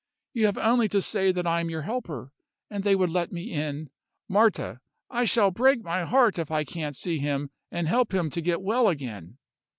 You have only to say that I am your helper, and they would let me in. Marta! I shall break my heart if I can't see him, and help him to get well again."